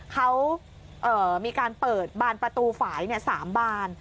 เขามีการเปิดบานประตูฝ่าย๓บาน